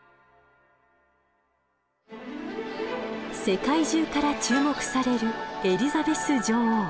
世界中から注目されるエリザベス女王。